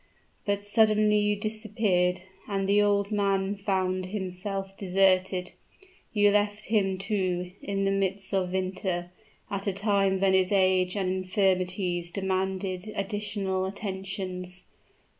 "But suddenly you disappeared; and the old man found himself deserted. You left him, too, in the midst of winter at a time when his age and infirmities demanded additional attentions.